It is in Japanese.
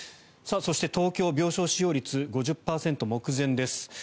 そして東京の病床使用率５０％目前です。